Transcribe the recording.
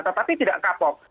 tetapi tidak kapok